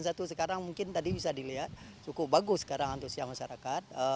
satu sekarang mungkin tadi bisa dilihat cukup bagus sekarang antusias masyarakat